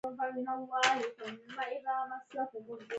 زما اندېښنه هم له همدې امله وه.